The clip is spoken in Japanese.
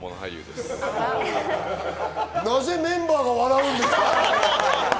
なぜメンバーは笑うんですか？